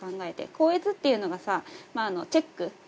校閲っていうのがさチェック。